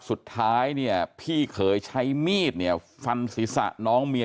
สุดท้ายพี่เคยใช้มีดฟันศีรษะน้องเมีย